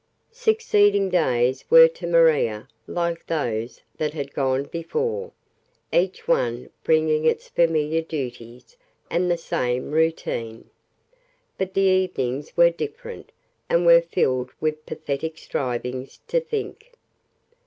Succeeding days were to Maria like those that had gone before, each one bringing its familiar duties and the same routine; but the evenings were different, and were filled with pathetic strivings to think.